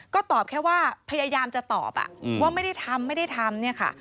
ก็ตอบแค่ว่าพยายามจะตอบว่าไม่ได้ทำไม่ได้ทำเนี่ยค่ะ